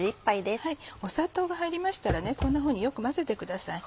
砂糖が入りましたらこんなふうによく混ぜてください。